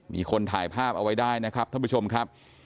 มีคนถ่ายภาพเอาไว้ได้นะครับท่านผู้ชมครับ